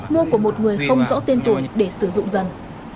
mua của một người không rõ tiên tuổi để sử dụng dần